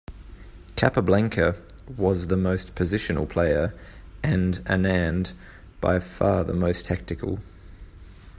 Capablanca was the most positional player, and Anand by far the most tactical.